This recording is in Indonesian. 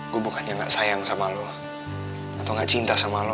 gugupannya enggak sayang sama lu atau enggak cinta sama lo